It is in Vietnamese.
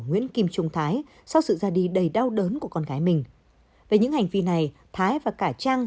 nguyễn kim trung thái sau sự ra đi đầy đau đớn của con gái mình về những hành vi này thái và cả trang